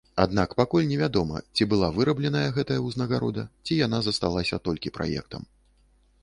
Аднак пакуль не вядома, ці была вырабленая гэтая ўзнагарода, ці яна засталася толькі праектам.